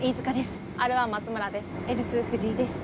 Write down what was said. Ｒ１松村です。